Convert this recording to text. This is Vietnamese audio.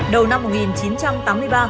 đầu năm một nghìn chín trăm tám mươi ba